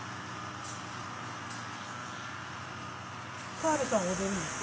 カールさん踊るんですか？